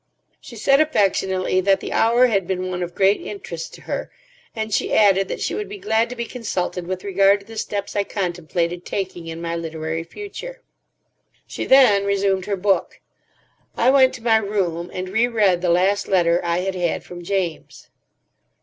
She said affectionately that the hour had been one of great interest to her, and she added that she would be glad to be consulted with regard to the steps I contemplated taking in my literary future. She then resumed her book. I went to my room and re read the last letter I had had from James.